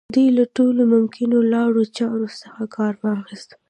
دوی له ټولو ممکنو لارو چارو څخه کار واخيست.